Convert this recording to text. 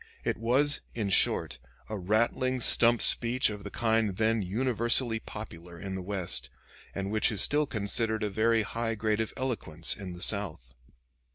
It was, in short, a rattling stump speech of the kind then universally popular in the West, and which is still considered a very high grade of eloquence in the South.